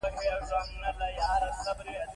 نو راشه کنه د شهرک طلایې طرف ته.